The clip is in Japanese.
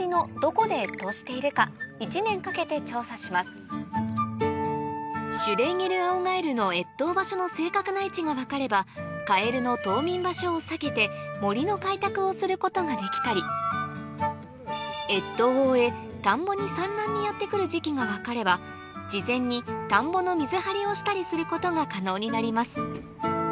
今回は越冬中のシュレーゲルアオガエルのが分かればカエルの冬眠場所を避けて森の開拓をすることができたり越冬を終え田んぼに産卵にやってくる時期が分かれば事前に田んぼの水張りをしたりすることが可能になります